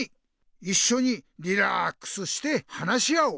いっしょにリラックスして話し合おう。